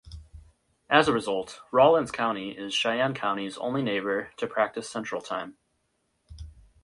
As a result, Rawlins County is Cheyenne County's only neighbor to practice Central Time.